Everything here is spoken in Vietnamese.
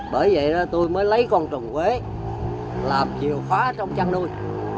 bởi vậy tôi mới lấy con run quế làm chiều khóa trong chăn nuôi